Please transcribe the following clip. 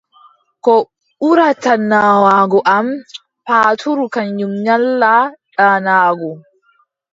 Ko ɓurata naawaago am, paatuuru kanyum nyalla ɗaanaago.